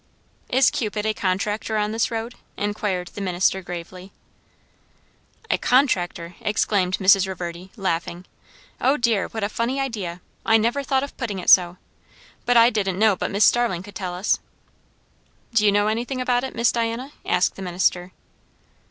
"Is Cupid a contractor on this road?" inquired the minister gravely. "A contractor!" exclaimed Mrs. Reverdy, laughing, "oh, dear, what a funny idea! I never thought of putting it so. But I didn't know but Miss Starling could tell us." "Do you know anything about it, Miss Diana?" asked the minister.